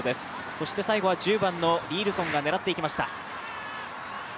そして最後は１０番のリ・イルソンが狙っていきました。